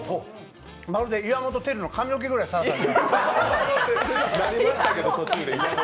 まるで岩本輝の髪の毛ぐらいサラサラ。